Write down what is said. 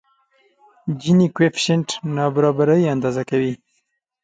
جیني کویفشینټ نابرابري اندازه کوي.